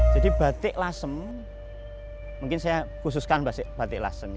jadi batik lasem mungkin saya khususkan batik lasem